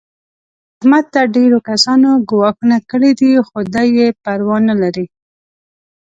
احمد ته ډېرو کسانو ګواښونه کړي دي. خو دی یې پروا نه لري.